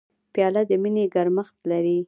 پیاله د مینې ګرمښت لري.